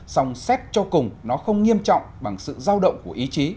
song xét cho cùng nó không nghiêm trọng bằng sự giao động của ý chí